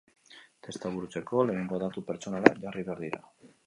Testa burutzeko, lehengo datu pertsonalak jarri behar dira.